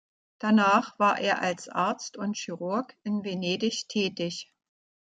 Danach war er als Arzt und Chirurg in Venedig tätig.